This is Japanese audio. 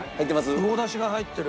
魚出汁が入ってる。